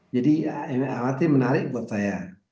jadi uni emirat arab menarik buat saya